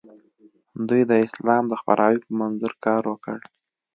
دوی د اسلام د خپراوي په منظور کار وکړ.